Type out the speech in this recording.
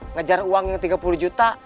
ngejar uang yang tiga puluh juta